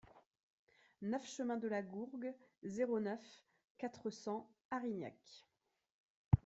neuf chemin de la Gourgue, zéro neuf, quatre cents Arignac